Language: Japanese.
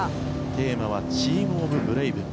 テーマはチームオブブレイブ。